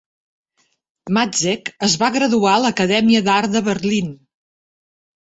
Matzek es va graduar a l'Acadèmia d'art de Berlín.